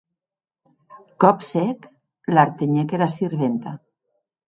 Còp sec, l'artenhec era sirventa.